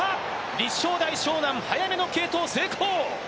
立正大淞南、早めの継投成功。